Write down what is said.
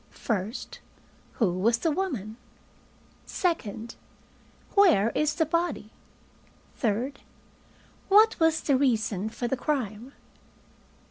1st Who was the woman? 2nd Where is the body? 3rd What was the reason for the crime?